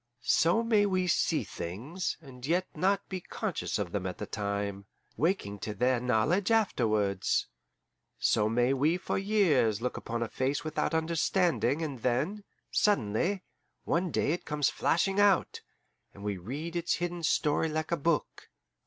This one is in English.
So may we see things, and yet not be conscious of them at the time, waking to their knowledge afterwards. So may we for years look upon a face without understanding, and then, suddenly, one day it comes flashing out, and we read its hidden story like a book.